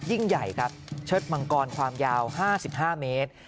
ยิ่งใหญ่ครับเชิดมังกรความยาว๕๕เมตร